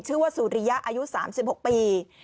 ชื่อว่าสุริยะอายุ๓๖ปี